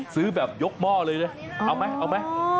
ซื้อแบบยกหม้อเลยเลยเอาไหม